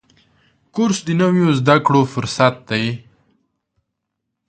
کورس د نویو زده کړو فرصت دی.